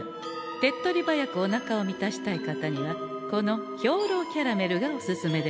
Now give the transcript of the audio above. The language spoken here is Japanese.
手っ取り早くおなかを満たしたい方にはこの兵糧キャラメルがおすすめでござんす。